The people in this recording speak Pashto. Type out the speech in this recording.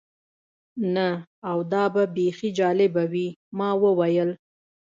نه، او دا به بیخي جالبه وي. ما وویل.